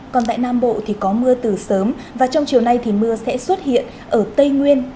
còn tại nam bộ thì có mưa từ sớm và trong chiều nay thì mưa sẽ xuất hiện ở tây nguyên